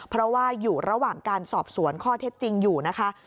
เพราะว่าอยู่ระหว่างการสอบสวนข้อเท็จจริงอยู่นะคะ